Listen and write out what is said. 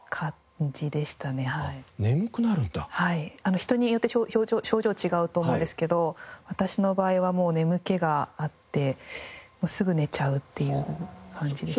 人によって症状違うと思うんですけど私の場合はもう眠気があってすぐ寝ちゃうっていう感じでした。